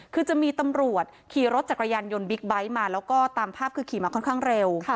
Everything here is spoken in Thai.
คือจะมีตำรวจขี่รถจักรยานยนต์บิ๊กไบท์มาแล้วก็ตามภาพคือขี่มาค่อนข้างเร็ว